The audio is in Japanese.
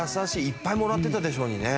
いっぱいもらってたでしょうにね。